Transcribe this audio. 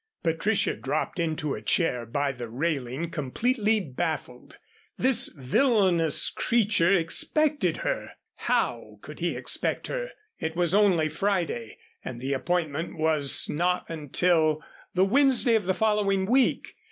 Patricia dropped into a chair by the railing completely baffled. This villainous creature expected her! How could he expect her? It was only Friday and the appointment was not until the Wednesday of the following week.